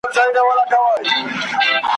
خو هغه کړو چي بادار مو خوشالیږي ,